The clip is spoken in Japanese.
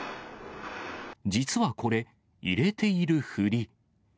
実はこれ、入れているふり。